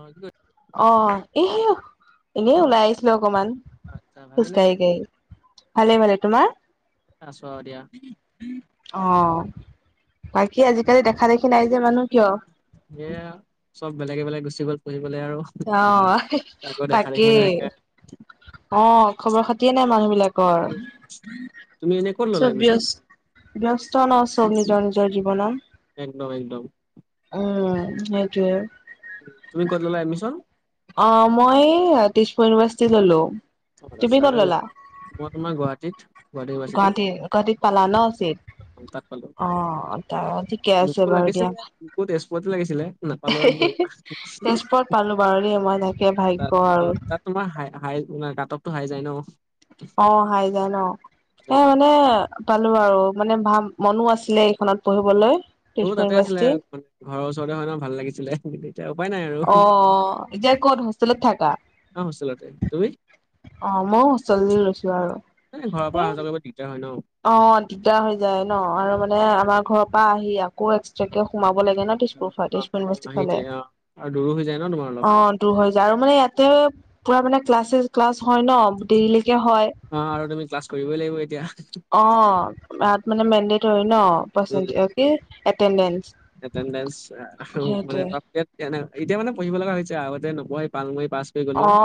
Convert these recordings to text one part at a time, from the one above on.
অ [unintelligible] অ এহেই, এনেই ওলাই আহিছিলো অকমান। আচ্ছা খোজ ভালেই নে কাঢ়ি কাঢ়ি। ভালে ভালে, তোমাৰ? আছো আৰু দিয়া অ, বাকী আজিকালি দেখা দেখি নাই যে মানুহ কিয়? এয়া, চব বেলেগে বেলেগ গুচি গ'ল পঢ়িবলৈ আৰু অ, হে হে কাকো দেখা দেখিয়ে নাই তাকেই, সেইকাৰণে অ খবৰ খাতিয়ে নাই মানুহ বিলাক কৰ, উম তুমি এনে ক'ত ল'লা চব এডমিশ্যন বিয়চ ব্যস্ত ন চব নিজৰ নিজৰ জীৱনত। একদম একদম। অ, সেইটোয়ে। তুমি ক'ত ল'লা এডমিশ্যন? অ মই দিছপুৰ ইউনিভাৰ্চিটিত ললোঁ। অ চাৰে, [unintelligible] মই তোমাৰ গুৱাহাটীত। গুৱাহাটী গুৱাহাটীত পালা ন চিত, তাত পালো অ তা'ৰ থিকে আছে মোকো বাৰু দিয়া। লাগিছিলে মোকো তেজপুৰতে লাগিছিলে নাপালো হে আৰু কি হে হে, কৰিবা তেজপুৰত পালো বাৰু দে মই লাইক তাত তাত তোমাৰ হাই হাই কাটপটো হাই যায় ন? অ হাই জাই ন, সেইটো এ সেইকাৰণে মানে পালো আৰু মানে ভা মনো আছিলে এইখনত পঢ়িবলৈ [unintelligible] তেজপুৰ তাতে আছিলে ইউনিভাৰ্চিটি ঘৰৰ ওচৰতে হয় নহ ভাল লাগিছিলে কিন্তু এতিয়া উপায় নাই আৰু অহ এতিয়া ক'ত হোষ্টেলত থাকা অ হোষ্টেলতে তুমি অ ম ও হোষ্টেল লৈ লৈছো আৰু এ ঘৰৰ পৰা আহা যোৱা কৰিব দিগদাৰ হয় ন অ দিগদাৰ হৈ যায় ন আৰু মানে আমাৰ ঘৰৰ পৰা আহি আকৌ এক্সট্ৰাকে সোমাব লাগে ন অ', অ, সেইটোৱে অ', আৰু দূৰো হৈ যায় ন তোমাৰ অলপ [unintelligible] দুৰ হৈ যায় আৰু মানে ইয়াতে পুৰা মানে ক্লাছেছ ক্লাছ হয় ন দেৰিলৈকে হয় অ আৰু তুমি ক্লাছ কৰিবই লাগিব এতিয়া অ তাত মান মেনদতৰি ন পা উম, [unintelligible] এতেনদেন্স এটেনডেঞ্চ আৰু মানে এনে এতিয়া মানে পঢ়িব লগা হৈছে আগতে নপঢ়ে পাল মাৰি পাছ কৰি গ'লো অ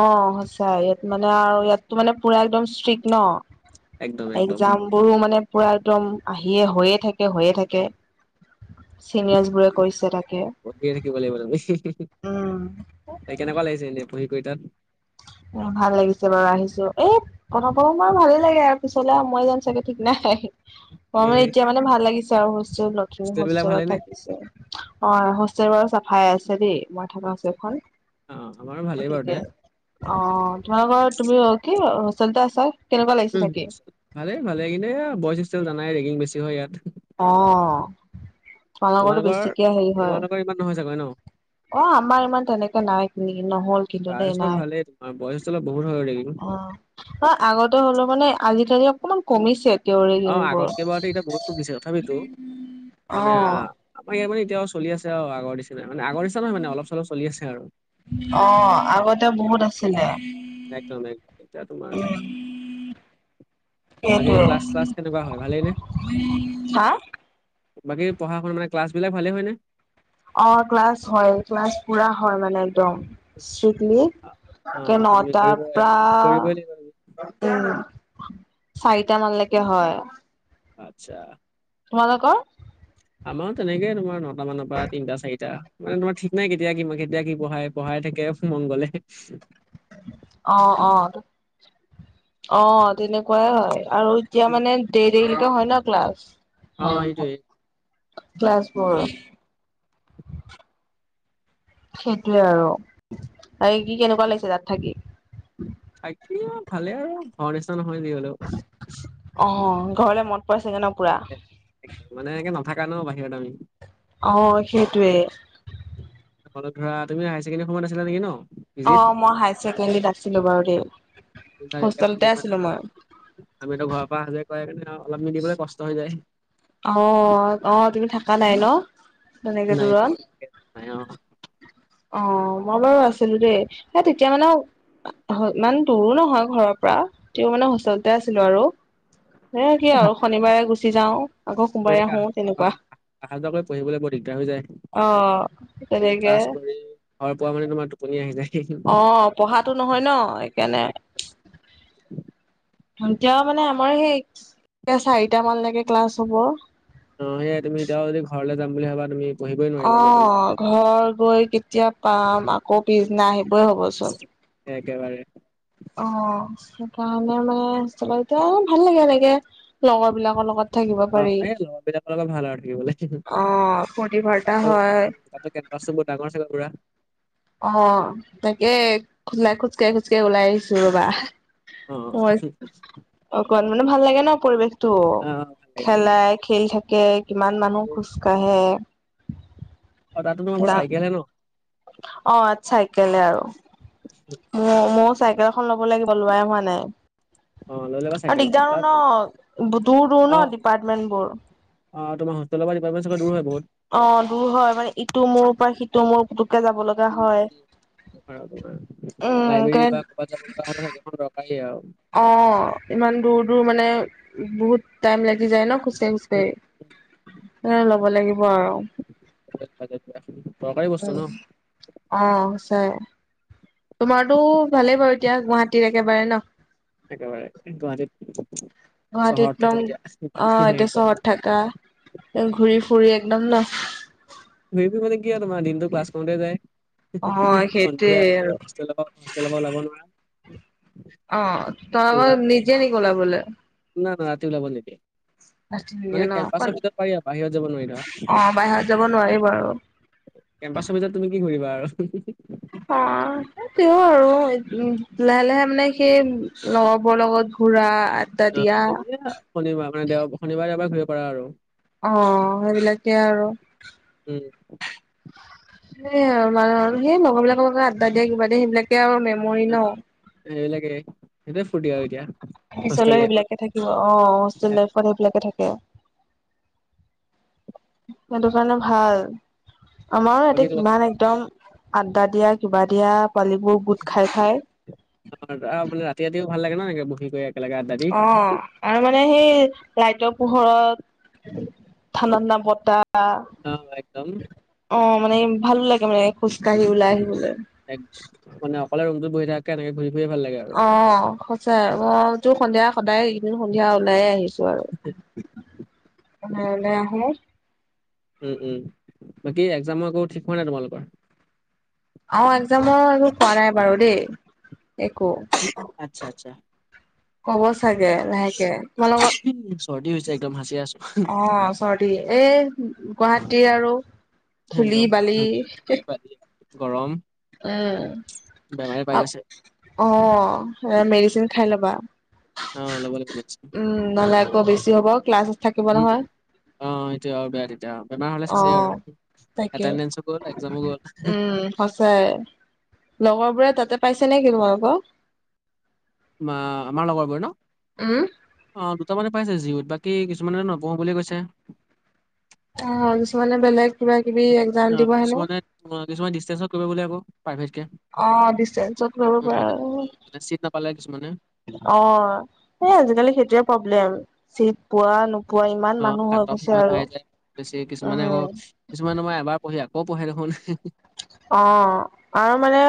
অ সঁচা ইয়াত মানে আৰু ইয়াতো মানে পুৰা একদম ইষ্ট্ৰিক্ট ন একদম একদম একজাম বোৰো মানে পুৰা একদম আহিয়ে হৈয়ে থাকে হৈয়ে থাকে কে চিনিয়ৰ্ছবোৰে কৈছে তাকে পঢ়িয়ে থাকিব লাগিব হে হে উম ত কেনেকুৱা লাগিছে এনেই পঢ়ি কৰি তাত অ ভাল লাগিছে বাৰু আহিছো এই প্ৰথম প্ৰথম আৰু ভালে লাগে আৰু পিছলে মই যাম চাগে ঠিক নাই ম এনে মানে এতিয়া মানে ভাল লাগিছে আৰু হোষ্টেল ল হোষ্টেল বিলাক ভালে হোষ্টেলত নে? থাকিছে অ হোষ্টেল বাৰ চাফাই আছে দেই মই থকা আছে আচ্ছা। এফাল অ', আমাৰো ভালেই বাৰু দে গতিকে [unintelligible] অ যোৱা বাৰ তুমি অ কি হোষ্টেলতে আছা [unintelligible] উম থাকি ভালেই ভালে কিন্ত এ বইচষ্টেল জানাই ৰেগিং বেছি হয় ইয়াত অ [unintelligible] তোমালোকৰ বেছিকে হেৰি হয় তোমালোকৰ ইমান নহয় চাগৈ ন অ আমাৰ ইমান তেনেকে নাই নহল কিন্তু দেই গাৰ্লছৰ নাই ভালেই তোমাৰ বইজ হোষ্টেলত বহুত হয় ৰেগিং অ অ আগতে হলো মানে আজিকালি অকমান কমিছে তেওঁৰে অ ঋণবোৰ আগতকে বাৰু এতিয়া বহুত [unintelligible] তথাপিতো মানে অ আমাক ইয়াতে এতিয়া চলি আছে আৰু আগৰ নিচিনা মানে আগৰ নিচিনা নহয় মানে অলপ চলপ চলি আছে আৰু অ আগতে বহুত আছিলে একদম একদম এতিয়া তোমাৰ উম বাকী সেইটোৱে ক্লাছ [unintelligible] কেনেকুৱা হয় ভালেইনে হা বাকী পঢ়া শুনা মানে ক্লাছ বিলাক ভালেই হয়নে অ ক্লাছ হয় ক্লাছ পুৰা হয় মানে একদম শ্ৰিকলি অ কৰে আৰু তুমি নটাৰ কৰিব কৰিবই লাগিব তুমি পৰা উম চাৰিটা মানলৈকে হয় আচ্ছা তোমালোকৰ আমাৰো তেনেকে তোমাৰ নটা মানৰ পৰা তিনিটা চাৰিটা মানে তোমাৰ ঠিক নাই কেতিয়া কি মই কেতিয়া কি পঢ়ায় পঢ়াই থাকে মনগলে অ অ অ তেনেকুৱাই হয় আৰু এতিয়া উম, মানে দেৰি দেৰি [unintelligible] হয় ন ক্লাছ অ সেইটোয়ে ক্লাছবোৰ সেইটোৱে আৰু আৰে কি কেনেকুৱা লাগিছে তাত থাকি থাকি আৰু ভালে আৰু ঘৰ নিচিনা নহয় যি হ'লেও অ ঘৰলে মনত পৰে চাগে ন পুৰা একদম মানে এনেকে নাথাকা ন বাহিৰত আমি অঁ সেইটোৱেই। [unintelligible] [unintelligible] ধৰা হায়াৰ ছেকেণ্ডাৰীৰ সময়ত আছিলা নেকি ন? পিজিত অঁ মই হায়াৰ ছেকেণ্ডাৰীত আছিলো বাৰু দেউতা দেই। এনেকে থাকেই হোষ্টেলতে মানে আছিলো ন। মই। [unintelligible] আমিতো ঘৰৰ পৰা অহা-যোৱা কৰা কাৰনে আউ অলপ মিলিবলৈ কষ্ট হৈ যায়। [unintelligible] অঁ-অঁ! তুমি থাকা নাই ন? [inaudible] তেনেকে নাই-নাই দূৰত? [inaudible] নাই অঁ! অঁ মই বাৰু আছিলো দেই। সেই তেতিয়া মানে [unintelligible] [unintelligible] ইমান দূৰো নহয় ঘৰৰ পৰা, তেতিয়াও মানে হোষ্টেলতে আছিলো আৰু। সেই কি আৰু শনিবাৰে গুচি যাওঁ। [inaudible] আহো [unintelligible] অঁ তেনেকুৱা। আহা-যোৱা কৰি পঢ়িবলৈ বৰ দিগদাৰ হৈ যায়। অ [inaudible] তুমি তেনেকে ক্লাছ কৰি ঘৰ পোৱা মানে তোমাৰ টোপনি আহি যায়। [unintelligible] অঁ পঢ়াতো নহয় ন সেইকাৰণে? [unintelligible] এতিয়া মানে আমাৰ সেই এতিয়া চাৰিটামানলৈকে ক্লাছ হ'ব। [unintelligible] অঁ সেইয়াই তুমি এতিয়াও যদি ঘৰলে যাম বুলি ভাবা তুমি [unintelligible] গৈ পেলাই অঁ ঘৰ গৈ কেতিয়া পাম, আকৌ পিছদিনা আহিবই হ'ব চোন। [inaudible] একেবাৰে [unintelligible] অঁ সেইকাৰণে মানে হোষ্টেলত এতিয়া ভাল লাগে এনেকে লগৰবিলাকৰ লগত। [unintelligible] পাৰি অঁ এই লগৰবিলাকৰ লগত ভাল আৰু থাকিবলে অ ফূৰ্তি [unintelligible] ফাৰ্তা তাতো হয় তাতো কেম্পাচটো বৰ ডাঙৰ চাগে পুৰা? [inaudible] অঁ তাকে [unintelligible] খোজকাঢ়ি-খোজকাঢ়ি ওলাই আহিছো ৰবা। অ মই [unintelligible] অকণ মানে ভাল লাগে ন পৰিৱেশটো, অ ভাল লাগে ভাল লাগে খেলাই [inaudible] খেলি থাকে, কিমান মানুহ খোজ কাঢ়ে। [inaudible] অঁ তাতো তোমাৰ [unintelligible] চাইকেলহে ন? অঁ চাইকেলে আৰু [inaudible] ম-মইও চাইকেল [unintelligible] চাইকেল এখন ল'ব লাগিব, লোৱাই হোৱা নাই। [unintelligible] অ লৈ ল'বা আৰু চাইকেল এখন দিগদাৰো তাত ন, দূৰ-দূৰ ন, ডিপাৰ্টমেন্টবোৰ। [unintelligible] অঁ তোমাৰ হোষ্টেলৰ পৰা ডিপাৰ্টমেন্ট চাগে দূৰ হয় বহুত? [unintelligible] অঁ দূৰ হয় মানে ইটো মোৰ পৰা সিটো মোৰ পুতুককে যাব লগ [unintelligible] উম-উম [unintelligible] তোমাৰ উম কে লাইব্ৰেৰী বা ক'ৰবাত যাব লগা হলে ন [unintelligible] এখন দৰকাৰীয়ে আউ [unintelligible] অঁ ইমান দূৰ-দূৰ মানে বহুত [unintelligible] টাইম লাগি যায় ন উম। খোজকাঢ়ি-খোজকাঢ়ি। উম, সেই কাৰণে ল'ব লাগিব আৰু। [unintelligible] মাজ [unintelligible] হয় [unintelligible] অঁ সঁচাই। তোমাৰতো ভালেই বাৰু এতিয়া গুৱাহাটীত একেবাৰে ন? [unintelligible] একেবাৰে, গুৱাহাটীত গুৱাহাটীত চহৰত একদম থাকো এতিয়া, অ এতিয়া একদম চহৰত [unintelligible] থাকা [unintelligible] [unintelligible] ঘূৰি ফুৰি একদম ন? ঘূৰি ফুৰি মানে কি আৰু তোমাৰ দিনটো ক্লাছ কৰোঁতে অ যায়। সেইটোৱে সন্ধিয়া আৰু হোষ্টেলৰ পৰা [unintelligible] হোষ্টেলৰ পৰা ওলাব নোৱাৰা। [inaudible] [unintelligible] অ তই আকৌ নিজে নি গলা বোলে না-না ৰাতি ওলাব নিদিয়ে। ফাৰ্ষ্ট ইয়েৰ মানে ন অকল কেম্পাছৰ ভিতৰত পাৰি আৰু বাহিৰত যাব নোৱাৰি ধৰা। অ [unintelligible] বাহিৰত যাব নোৱাৰি বাৰু। [inaudible] কেম্পাছৰ ভিতৰত তুমি কি কৰি কৰিবা আৰু [unintelligible] অঁ [inaudible] সেই তেও আৰু উ লাহে লাহে মানে সেই লগৰবোৰৰ লগত ঘূৰা, আড্ডা অ দিয়া তুমি শনিবাৰ মানে দেও শনিবাৰে এবাৰ ঘূৰিব পাৰা আৰু। অ সেইবিলাকে আৰু। উম! সেইয়া আৰু মানে হল কি লগৰ বিলাকৰ লগত আড্ডা দিয়া, কিবা দিয়া সেইবিলাকে আৰু মেমৰি ন! এইবিলাকে সেইটোৱে ফূৰ্তি আৰু এতিয়া। হোষ্টেল পিছলৈ লাইফত সেইবিলাকে থাকিব, অ এ, সেইবিলাকে থাকে, সেইটো কাৰণে ভাল। আমাৰো বাকী ইয়াতে কিমান তোমালোকৰ একদম আড্ডা দিয়া, কিবা দিয়া, পোৱালিবোৰ গোট খায়, খায়। অ বোলে ৰাতি ৰাতিও ভাল লাগে ন! একে বহি কৰি একেলগে আড্ডা দি। অ, আৰু মানে সেই লাইটৰ পোহৰত, ঠাণ্ডা ঠাণ্ডা বতাহ, অ' একদম আহ, অ মানে ভালো লাগে মানে খোজ কঢ়ি ওলাই আহিবলৈ। এক মানে অকলে ৰুমটোত বহি থকাতকে এনেকে ঘূৰি ফুৰিয়ে ভাল লাগে। আৰু অ সঁচাই, মইতো সন্ধিয়া সদায় এইকেইদিন সন্ধিয়া ওলায়ে আহিছো আৰু। অঁ! ওলাই আহে। উম, উম! বাকী একজামৰ আকৌ ঠিক হোৱা নাই তোমালোকৰ? অ একজামৰ আৰু কোৱা নাই বাৰু দেই একো। আচ্ছা, আচ্ছা, কব চাগে লাহেকে, তোমালোকৰ চৰ্দি হৈছে একদম সাচিয়াই আছোঁ। অ চৰ্দি, এই গুৱাহাটী আৰু ধূলি একদম বালি ধূলি ধূলি-বালি, গৰম, উম! বেমাৰে পাই গৈছে অ মেডিচিন খাই ল'বা। অ' ল'ব লাগিব মেডিচিন। উম! নহলে আকৌ বেছি হ'ব, ক্লাছ থাকিব নহয়। অঁ এইটোৱে আৰু বেয়া তেতিয়া, বেমাৰ হ'লে অ চেছে আৰু তাকে এটেণ্ডেঞ্চো গ'ল একজামো গ'ল। চাই লগৰ বোৰে তাতে পাইছে নে কি তোমালোকৰ? মা, আমাৰ লগৰবোৰ ন? উম! অ দুটা মানে পাইছে জিঅত, বাকী কিছুমানে নপঢ়ো বুলি কৈছে। অ কিছুমানে, বেলেগ কিবা-কিবি একজাম দিব হেনো। কিছুমান, ডিচটেঞ্চত কৰিব বোলে আকৌ প্ৰাইভেটকে। অ, ডিচটেন্সত কৰিব পাৰে। অ, উম, মানে চিট নাপালে কিছুমানে এই আজিকালি সেইটোৱে প্ৰব্লে। চিট পোৱা, নোপো অ কাটব ইমান হাইজ লাগে বেছি, কিছুমানে আকৌ উম কিছুমানে, মই এবাৰ পঢ়ি আকৌ পঢ়ে দেখোন। অ আৰু মানে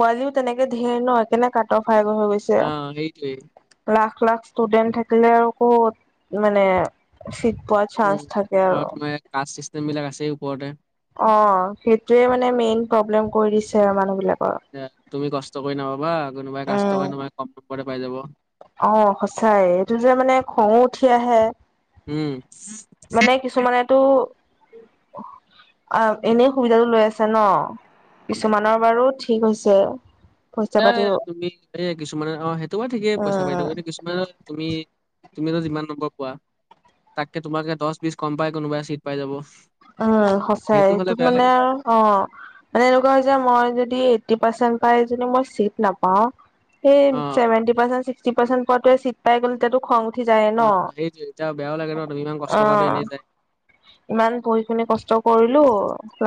পোৱালিও তেনেকে ধেৰ ন! সেইকাণে কাঠব হাইজ হৈ গৈছে। অ সেইটোৱে। লাখ, লাখ ষ্টুডেণ্ট থাকিলে আৰু ক'ত মানে চিট পোৱা চান্স উম! থাকে আৰু তোমাৰ কাষ্ট-চিষ্টেমবিলাক আছেই ওপৰতে। অ সেইটোয়ে মানে, মেইন প্ৰব্লেম কৰি উম দিছে আৰু মানুহ বিলাকৰ। এ তুমি কষ্ট কৰি নাপাবা, কোনোবাই কাষ্ট উম, থকা! কম নম্বৰতে পাই যাব। অ সচাই, এইটো যে মানে খঙো উঠি আহে, উম! মানে কিছুমানেতটো এনে সুবিধাটো লৈ আছে ন। কিছুমানৰ বাৰু ঠিক হৈছে। পইচা এ পাতি তুমি এই কিছুমানে অঁ সেইটো বাৰু ঠিকেই পইচা পাইটো উম কি তোমাৰ তুমি তুমি যিমান নম্বৰ পোৱা। তাতকে তোমালোকে দহ বিশ কম পাই কোনোবাই চিট পাই যাব। উম সঁচাই সেইটো হলে সটোত বেয়া মানে লাগে আও অ মানে এনেকুৱা হৈছে মই যদি এইটটি পাৰ্চেন্ট পাই যদি মই চিট নাপাও সেই অ চেভেন্তি পাৰ্চেন্ট ছিক্সিটি পাৰ্চেন্ট পোৱাটোৱে চিট পাই গলে টো, তেতিয়া খং উঠি যায়ে ন অঁ সেইটো এতিয়া বেয়া লাগে ন তুমি ইমান কষ্ট অ কৰাটো এনেই যায়। ইমান পঢ়ি শুনি কষ্ট কৰিলো,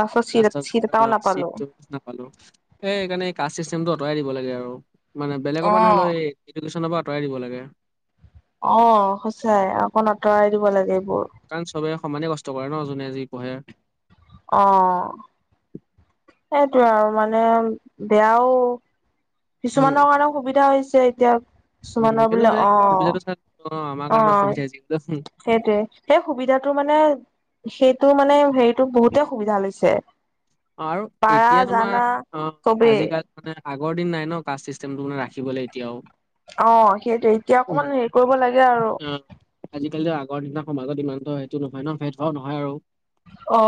লাষ্টত চি চিত এটাও নাপালো। চিটটো নাপালো, হেই সেইণে কাষ্ট চিষ্টেমটো আঁতৰাই দিব লাগে আৰু মানে বেলেগৰ অ পৰা নহলো হলে এই এডুকেশ্যনৰ পৰা আঁৰাই দিব লাগে। অঁ সচাই অকণ আঁতৰাই দিব লাগে উম এইবোৰ কাৰণ চবে সমানে কষ্ট কৰে ন, যোনে যি পঢ়ে। অঁ সেইটোৱে আৰু মানে বেয়াও। উম কিছুমানৰ কাৰণেও সুবিধা হৈছে এতিয়া। উম, কিছুমানৰ বোলে তেনেহ'লে অ সুবিধাটো চা আমাৰ কাৰণত অসুবিধা হৈছে কিন্তু সেইটোয়ে, সেই সুবিধাটো মানে সেইটো মানে হেৰিতটো বহুতে সুবিধা লৈছে। আৰু পাৰা এতিয়া জানা তোমাৰ অঁ চবেই আজিকালি মানে আগৰ দিন নাই ন কাষ্ট চিষ্টেমটো মানে ৰাখিবলৈ এতিয়াও। অঁ সেইটোৱে এতিয়া অকমান হেৰি কৰিব লাগে আৰু। আজিকালি আগৰ দিনা সমাজত ইমানতো সেইটো নহয় ন, ভেদ ভাও নহয় আৰু। অ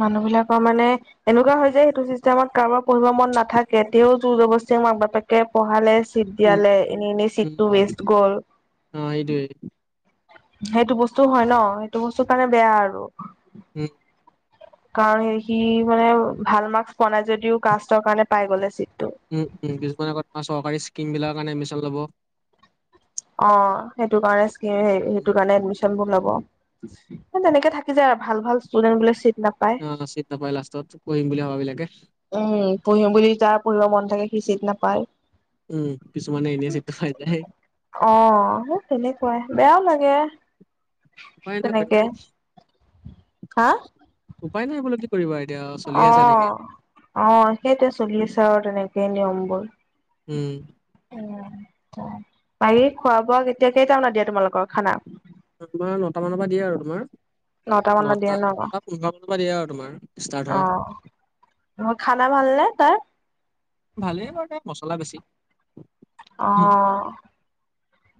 মানুহ বিলাকৰ মানে। এনেকুৱা হয় যে সেইটো চিষ্টেমত কাৰোবাৰ পঢ়িব মন নাথাকে, তেওঁ যোৰ যবস্তি মাক বাপেক কে পঢ়ালে ছিট উম দিয়ালে, এনেই এনেই উম চিটটো ৱেষ্ট গ'ল। অ সেইটোৱে সেইটো বস্তু হয় ন, সেইটো বস্তু কাৰণে বেয়া আৰু। [unintelligible] কাৰণ সেই সি মানে ভাল মাৰ্কচ পোৱা নাই যদিও কাষ্টৰ কাৰণে পাই গলে চিটটো। উম উম কিছুমানে আক তোমাৰ চৰকাৰী স্কিম বিলাকৰ কাৰণে এডমিশ্যন ল'ব। অঁ সেইটো কাৰণে চাগে উম সেইটো কাৰণে এডমিছন ছনবোৰ লব, তেনেকে থাকি যায় আৰু ভাল ভাল ষ্টুডেণ্ট বিলাক চিট নাপয়। অঁ চিত নাপায় লাষ্টত, পঢ়িম বুলি ভাবিলেকে উম, পঢ়িম বুলি যাৰ পঢ়িব মন থাকে সি চিত নাপায়। উম কিছুমানে এনেই চিতটো পাই যায়। অঁ হে তেনেকুৱাই বেয়াও লাগে। উপাই নাই তেনেকে। পি হা উপায় নাই বোলো কি কৰিবা এতিয়া চলি আছে এনেকেই। অঁ সেইটোৱে চলি আছে আৰু তেনেকেই নিয়ম বোৰ। উম। উম, বাকী খোৱা বোৱা কেতিয়া কেইটা মানত দিয়ে তোমালোকৰ খানা? তোমাৰ নটা মানৰ পৰা দিয়ে আৰু, তোমাৰ? মানত দিয়ে নটা ন? পোন্ধৰ মানৰ পৰা দিয়ে আৰু তোমাৰ ষ্টাৰ্ট হয় অ খানা ভাল নে তাৰ। ভালেই লাগে মছলা বেছি উম, অ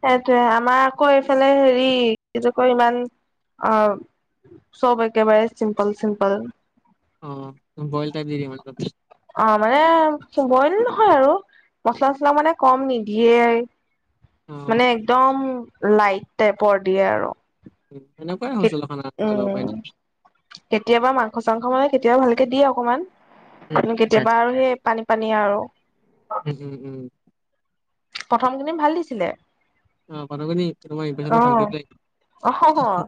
সেইতোৱে আমাৰ আকৌ এইফালে হেৰি কি বুলি কয় ইমান অ চব একেবাৰে চিম্পল চিম্পল অ বইল টাইপ দি দিয়ে মানে তাত অ মানে বইল নহয় আৰু মচলা চছলাও মানে কম নিদিয়ে। অ', মানে একদম লাইট টাইপৰ দিয়ে। আৰু এনেকুৱাই হৈছিল খন আ যাব পাৰ উম নি কেতিয়াবা মাংস, চাংস মানে কেতিয়াবা ভালকে দিয়ে অকনমান উম, আচ্ছা কেতিয়াবা আচ্ছা আৰু সেই- পানী পানী আৰু উম উম উম প্ৰথমখিনি ভাল দিছিলে। অ পঠাবনি তোমাৰ অ ইম্প্যনটা ভালকৈ অ পেলাই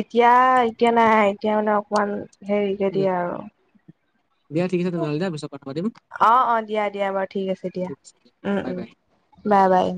এতিয়া এতিয়া নাই এতিয়া মানে অকমান হেৰিকে দিয়ে। আৰু অ দিয়া ঠিক আছে তেনেহ'লে তো পিছত কথা পাতিম অ অ দিয়া দিয়া বাৰু ঠিক ঠিক আছে দিয়া। উম বাই উম বাই বাই বাই